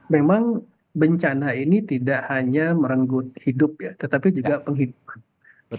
memang bencana ini tidak hanya merenggut hidup ya tetapi juga penghitungan